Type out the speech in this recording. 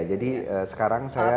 jadi sekarang saya